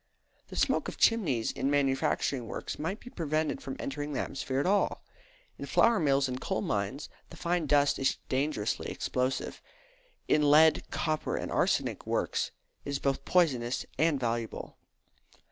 The smoke of chimneys in manufacturing works might be prevented from entering the atmosphere at all. In flour mills and coal mines the fine dust is dangerously explosive. In lead, copper, and arsenic works, it is both poisonous and valuable.